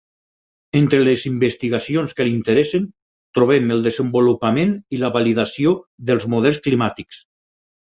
Entre les investigacions que l'interessen, trobem el desenvolupament i la validació dels models climàtics.